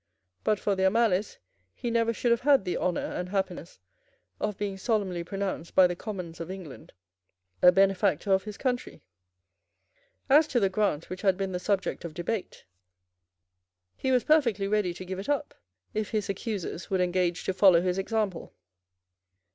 But for their malice he never should have had the honour and happiness of being solemnly pronounced by the Commons of England a benefactor of his country. As to the grant which had been the subject of debate, he was perfectly ready to give it up, if his accusers would engage to follow his example.